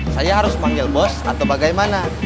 saya harus panggil bos atau bagaimana